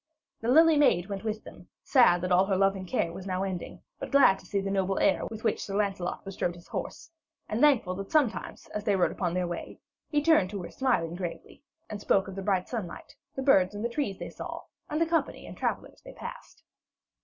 The Lily Maid went with them, sad that all her loving care was now ending, but glad to see the noble air with which Sir Lancelot bestrode his horse, and thankful that sometimes, as they rode upon their way, he turned to her smiling gravely, and spoke of the bright sunlight, the birds and trees they saw, and the company and travellers they passed.